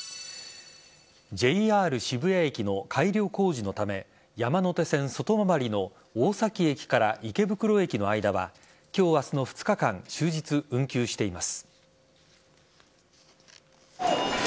ＪＲ渋谷駅の改良工事のため山手線外回りの大崎駅から池袋駅の間は今日、明日の２日間終日運休しています。